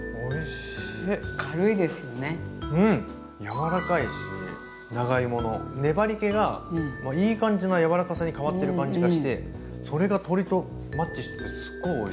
柔らかいし長芋の粘りけがいい感じの柔らかさに変わってる感じがしてそれが鶏とマッチしててすっごいおいしいですね。